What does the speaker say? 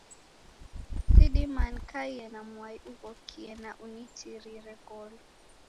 Sidima nikaie na mwai ughokie na unitirire ngolo